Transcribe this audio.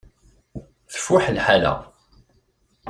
Tfuḥ lḥala.